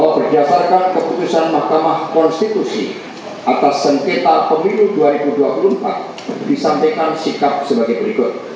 berdasarkan keputusan mahkamah konstitusi atas sengketa pemilu dua ribu dua puluh empat disampaikan sikap sebagai berikut